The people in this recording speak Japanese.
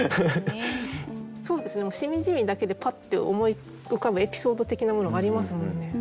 そうですね「しみじみ」だけでパッて思い浮かぶエピソード的なものがありますもんね。